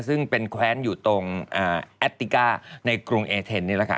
ซึ่งเป็นแคว้นอยู่ตรงแอปติก้าในกรุงเอเทนนี่แหละค่ะ